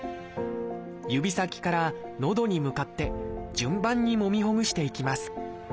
指先からのどに向かって順番にもみほぐしていきます。